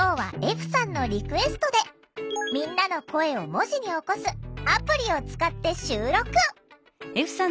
歩さんのリクエストでみんなの声を文字に起こすアプリを使って収録！